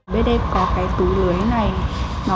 bên em có cái túi lưới này